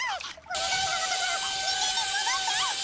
お願い花子さん人間に戻して！